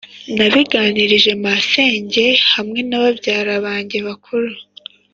nabiganirije masenge hamwe na babyara banjye bakuru,